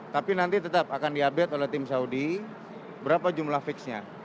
tapi nanti tetap akan diupdate oleh tim saudi berapa jumlah fixnya